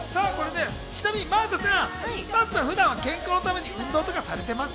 真麻さん、普段は健康のために運動とかされてます？